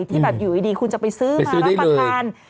ที่แบบอยู่ดีคุณจะไปซื้อมารับประทาน